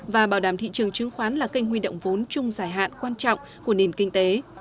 và bảo đảm thị trường chứng khoán là kênh huy động vốn chung giải hạn quan trọng của nền kinh tế